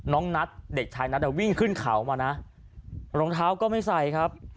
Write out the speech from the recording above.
น้องนัทเด็กชายนัทวิ่งขึ้นเขามานะรองเท้าก็ไม่ใส่ครับ